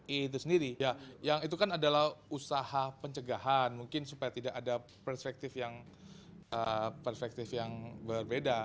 itu sendiri ya yang itu kan adalah usaha pencegahan mungkin supaya tidak ada perspektif yang perspektif yang berbeda